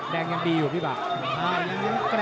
ยังดีอยู่พี่บัก